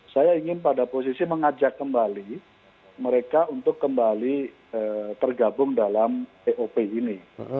saya ingin pada posisi mengajak kembali mereka untuk kembali tergabung dalam op ini